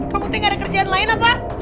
kamu tinggal di kerjaan lain apa